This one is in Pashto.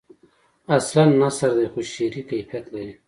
اصلاً نثر دی خو شعری کیفیت لري.